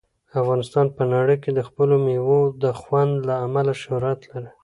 افغانستان په نړۍ کې د خپلو مېوو د خوند له امله شهرت لري.